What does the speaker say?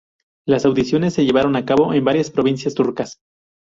Las audiciones se llevaron a cabo en varias provincias turcas.